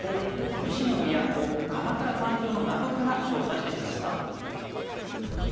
その武士の都鎌倉誕生の謎から調査してきました。